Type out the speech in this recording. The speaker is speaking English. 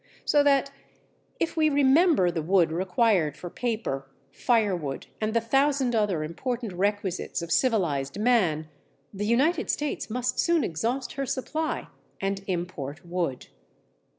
So that, if we remember the wood required for paper, firewood, and the thousand other important requisites of civilized man, the United States must soon exhaust her supply and import wood.